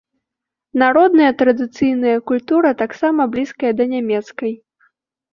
Народная традыцыйная культура таксама блізкая да нямецкай.